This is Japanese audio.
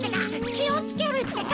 きをつけるってか。